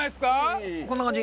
中丸：こんな感じ。